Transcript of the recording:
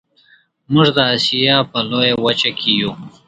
موږ د اسیا په لویه وچه کې یو